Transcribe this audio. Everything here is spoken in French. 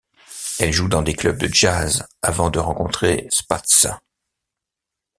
Elle joue dans des clubs de jazz avant de rencontrer Spatsz.